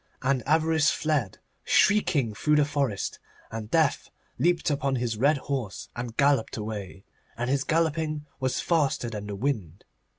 And Avarice fled shrieking through the forest, and Death leaped upon his red horse and galloped away, and his galloping was faster than the wind.